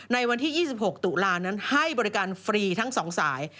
ในวันที่๒๖ตุลานั้นให้บริการฟรีทั้ง๒สาย